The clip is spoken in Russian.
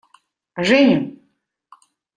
Женя!